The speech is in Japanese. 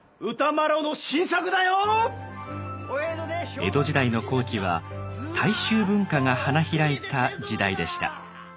江戸時代の後期は「大衆文化」が花開いた時代でした。